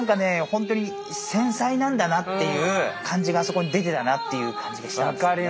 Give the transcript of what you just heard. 本当に繊細なんだなっていう感じがそこに出てたなっていう感じがしたんですね。